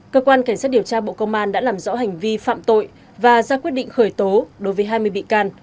cơ quan cảnh sát điều tra bộ công an đã làm rõ hành vi phạm tội và ra quyết định khởi tố đối với hai mươi bị can